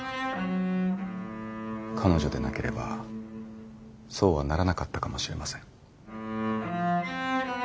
彼女でなければそうはならなかったかもしれません。